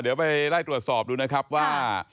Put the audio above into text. เดี๋ยวไปไล่ตรวจสอบดูนะครับว่า